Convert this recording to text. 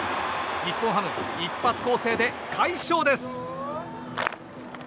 日本ハム、一発攻勢で快勝です！